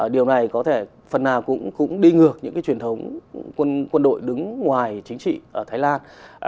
điều này có thể phần nào cũng đi ngược những cái truyền thống quân đội đứng ngoài chính trị ở thái lan